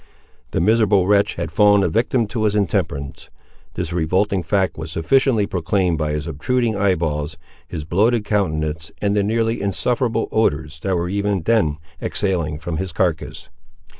The miserable wretch had fallen a victim to his intemperance. This revolting fact was sufficiently proclaimed by his obtruding eye balls, his bloated countenance, and the nearly insufferable odours that were even then exhaling from his carcass.